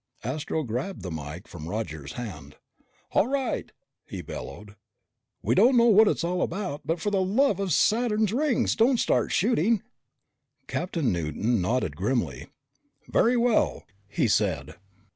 Astro grabbed the mike from Roger's hand. "All right!" he bellowed. "We don't know what it's all about, but for the love of Saturn's rings, don't start shooting." Captain Newton nodded grimly. "Very well," he said.